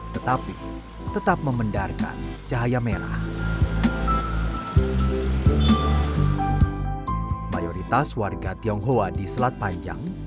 kedua perang air atau ciancui